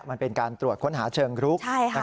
มันเป็นการตรวจค้นหาเชิงรุก